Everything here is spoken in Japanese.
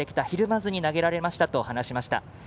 ひるまずに投げられましたと話しました。